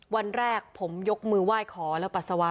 วันแรกผมยกมือไหว้ขอและปัสสาวะ